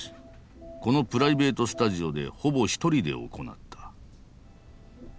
このプライベートスタジオでほぼ一人で行った。